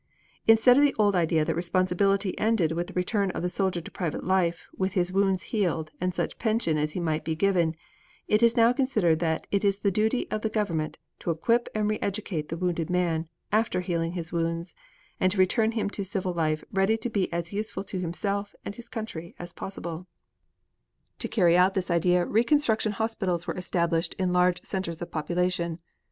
Instead of the old idea that responsibility ended with the return of the soldier to private life with his wounds healed and such pension as he might be given, it is now considered that it is the duty of the government to equip and re educate the wounded man, after healing his wounds, and to return him to civil life ready to be as useful to himself and his country as possible." To carry out this idea reconstruction hospitals were established in large centers of population.